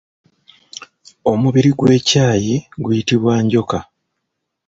Omubiri gw’ekyayi guyitibwa Njoka.